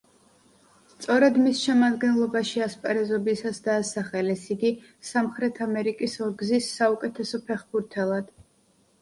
სწორედ მის შემადგენლობაში ასპარეზობისას დაასახელეს იგი სამხრეთ ამერიკის ორგზის საუკეთესო ფეხბურთელად.